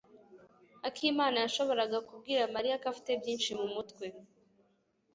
akimana yashoboraga kubwira Mariya ko afite byinshi mumutwe.